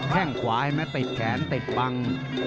แห้งขวาให้มาติดแขนติดบัง